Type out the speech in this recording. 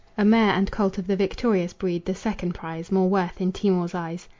A mare and colt of the victorious breed The second prize, more worth in Timour's eyes.